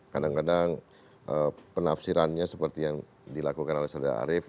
kadang kadang penafsirannya seperti yang dilakukan oleh saudara arief